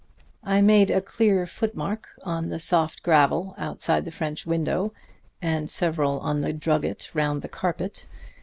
I made a clear footmark on the soft gravel outside the French window, and several on the drugget round the carpet.